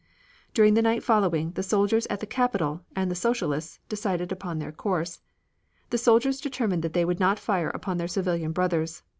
During the night following, the soldiers at the Capital, and the Socialists, decided upon their course. The soldiers determined that they would not fire upon their civilian brothers.